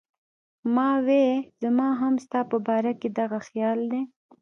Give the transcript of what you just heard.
ما وې زما هم ستا پۀ باره کښې دغه خيال دی